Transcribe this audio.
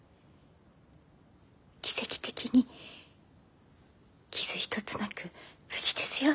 「奇跡的に傷一つなく無事ですよ」